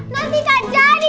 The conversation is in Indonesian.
nanti nggak jadi